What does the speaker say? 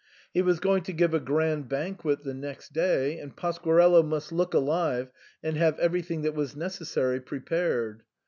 He was going to give a grand banquet the next day, and Pasquarello must look alive and have everything that was necessary prepared.